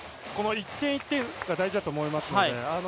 １点１点が大事だと思いますね。